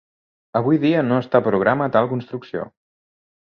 Avui dia no està programa tal construcció.